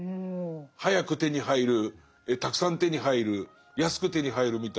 早く手に入るたくさん手に入る安く手に入るみたいのが。